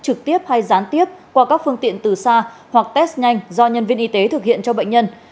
trực tiếp hay gián tiếp qua các phương tiện từ xa hoặc test nhanh do nhân viên y tế thực hiện cho bệnh nhân